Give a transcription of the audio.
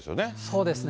そうですね。